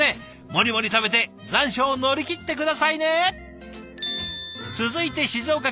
もりもり食べて残暑を乗り切って下さいね！